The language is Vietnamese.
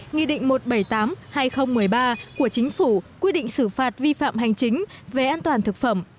nghị định một trăm bảy mươi tám hai nghìn một mươi ba của chính phủ quy định xử phạt vi phạm hành chính về an toàn thực phẩm